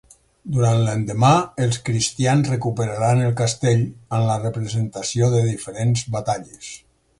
Durant l'endemà, els cristians recuperaran el Castell amb la representació de diferents batalles.